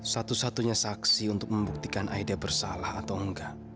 satu satunya saksi untuk membuktikan aida bersalah atau enggak